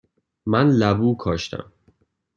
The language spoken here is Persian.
من لبو کاشتم.